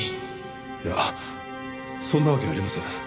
いやそんなわけありません。